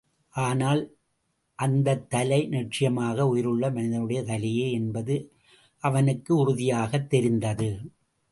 ஆனால், அந்தத்தலை நிச்சயமாக உயிருள்ள மனிதனுடைய தலையே என்பது அவனுக்கு உறுதியாகத் தெரிந்தது.